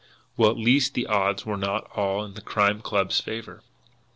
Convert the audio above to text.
Well, at least, the odds were not all in the Crime Club's favour.